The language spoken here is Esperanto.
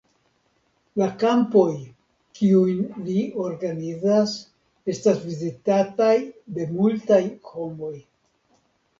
La kampoj, kiujn li organizas, estas vizitataj de multaj homoj.